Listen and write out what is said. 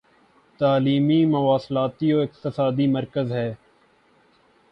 تعلیمی مواصلاتی و اقتصادی مرکز ہے